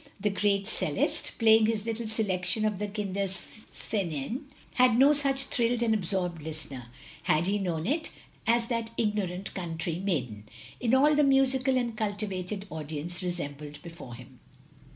The great 'cellist, playing his little selection of the Kinderscenen, had no such thrilled and absorbed listener, had he known it, as that igno rant country maiden, in all the musical and cultivated audience assembled before him.